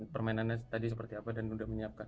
permainannya tadi seperti apa dan sudah menyiapkan